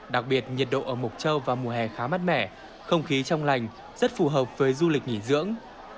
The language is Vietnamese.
đặc biệt nhiệt độ ở mộc châu vào mùa hè khá mát mẻ không khí trong lành rất phù hợp với du lịch nghỉ dưỡng